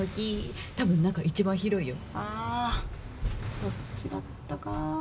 そっちだったか。